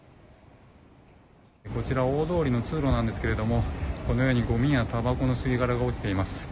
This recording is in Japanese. こちら大通りの通路ですがこのようにごみやタバコの吸い殻が落ちています。